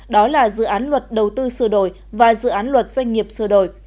đó là dự án luật đầu tư sửa đổi và dự án luật doanh nghiệp sửa đổi